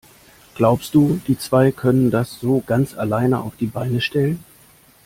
Glaubst du, die zwei können das so ganz alleine auf die Beine stellen?